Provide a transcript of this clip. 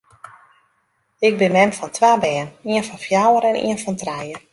Ik bin mem fan twa bern, ien fan fjouwer en ien fan trije.